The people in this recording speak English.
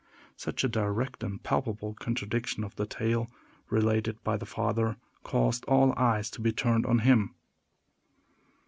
Such a direct and palpable contradiction of the tale related by the father caused all eyes to be turned on him.